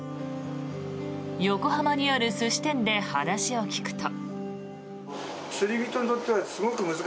横浜にある寿司店で話を聞くと。